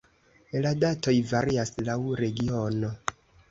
La datoj varias laŭ regiono.